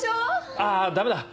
あぁダメだ。